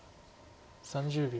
３０秒。